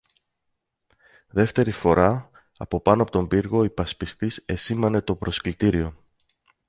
Δεύτερη φορά, από πάνω από τον πύργο, ο υπασπιστής εσήμανε το προσκλητήριο.